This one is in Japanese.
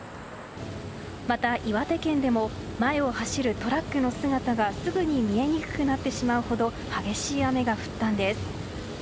また、岩手県でも前を走るトラックの姿がすぐに見えにくくなってしまうほど激しい雨が降ったんです。